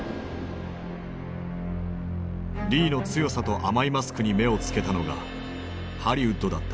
リーの強さと甘いマスクに目を付けたのがハリウッドだった。